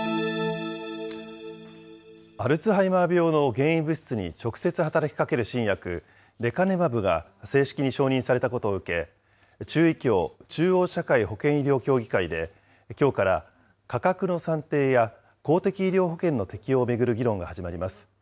アルツハイマー病の原因物質に直接働きかける新薬、レカネマブが正式に承認されたことを受け、中医協・中央社会保険医療協議会できょうから価格の算定や公的医療保険の適用を巡る議論が始まります。